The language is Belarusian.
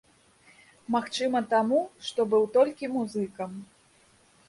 Магчыма таму, што быў толькі музыкам.